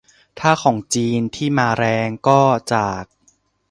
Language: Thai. ถ้าของจีนที่มาแรงก็ จาก